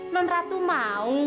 non ratu mau